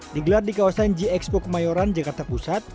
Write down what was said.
digelar di kawasan g expo kemayoran jakarta pusat